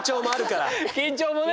緊張もね！